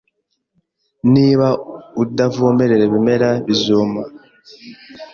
Niba udavomerera ibimera, bizuma.